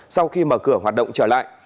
sau khi mở cửa hoạt động trở lại